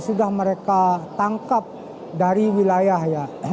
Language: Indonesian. sudah mereka tangkap dari wilayah ya